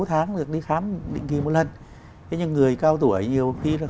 sáu tháng được đi khám định kỳ một lần